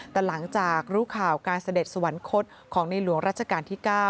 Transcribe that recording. แต่หลังจากรู้ข่าวการเสด็จสวรรคตของในหลวงราชการที่๙